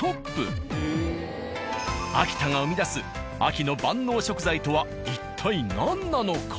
秋田が生み出す秋の万能食材とは一体何なのか？